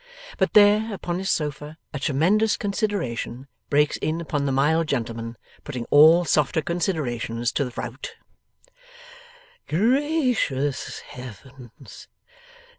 But there, upon his sofa, a tremendous consideration breaks in upon the mild gentleman, putting all softer considerations to the rout. 'Gracious heavens!